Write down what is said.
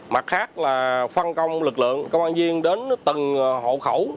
mặt khác là phân công lực lượng công an viên đến từng hộ khẩu